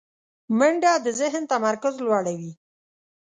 منډه د ذهن تمرکز لوړوي